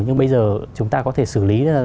nhưng bây giờ chúng ta có thể xử lý